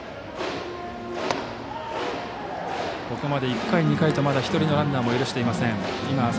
ここまで１回、２回と１人のランナーも許していません。